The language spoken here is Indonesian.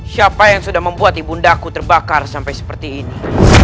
siapa yang sudah membuat ibundaku terbakar sampai seperti ini